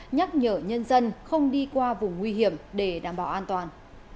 nhắc nhở nhân dân không đi qua vùng nguy hiểm để đảm bảo an toàn